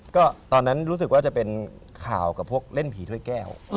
ก็ตอนนั้นรู้สึกว่าจะเป็นข่าวกับพวกเล่นผีถ้วยแก้ว